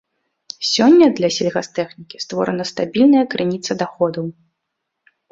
Сёння для сельгастэхнікі створаная стабільная крыніца даходаў.